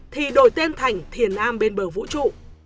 thì đổi tên thành thiền an bên bờ vũ trụ